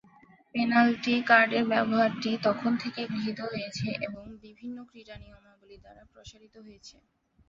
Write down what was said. Penalty কার্ডের ব্যবহারটি তখন থেকেই গৃহীত হয়েছে এবং বিভিন্ন ক্রীড়া নিয়মাবলী দ্বারা প্রসারিত হয়েছে।